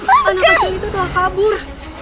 anak kaca itu telah kabur